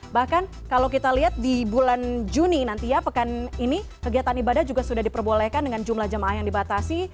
bahkan kalau kita lihat di bulan juni nanti ya pekan ini kegiatan ibadah juga sudah diperbolehkan dengan jumlah jemaah yang dibatasi